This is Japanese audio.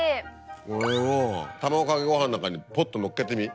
これを卵かけご飯なんかにぽっとのっけてみ。